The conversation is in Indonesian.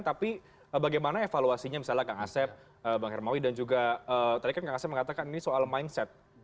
tapi bagaimana evaluasinya misalnya kang asep bang hermawi dan juga tadi kan kang asep mengatakan ini soal mindset